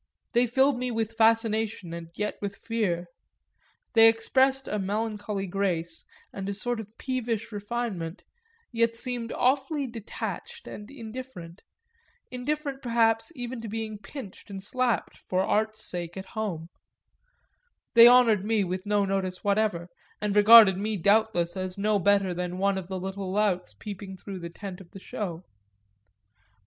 They filled me with fascination and yet with fear; they expressed a melancholy grace and a sort of peevish refinement, yet seemed awfully detached and indifferent, indifferent perhaps even to being pinched and slapped, for art's sake, at home; they honoured me with no notice whatever and regarded me doubtless as no better than one of the little louts peeping through the tent of the show.